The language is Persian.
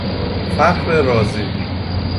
فخر رازی